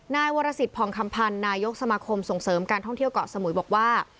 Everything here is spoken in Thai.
นายวรสิทธิผ่องคำพันธ์นายกสมาคมส่งเสริมการท่องเที่ยวเกาะสมุยบอกว่า